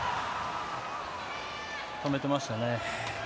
止めてましたね。